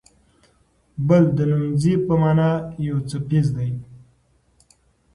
بل د نومځي په مانا یو څپیز دی.